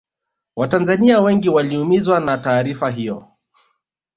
watanzania wengi waliumizwa na taarifa hiyo